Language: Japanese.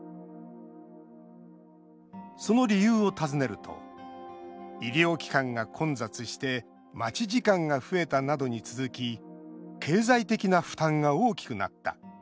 その理由を尋ねると「医療機関が混雑して待ち時間が増えた」などに続き「経済的な負担が大きくなった」